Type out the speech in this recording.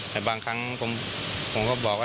แต่บางครั้งผมก็บอกว่า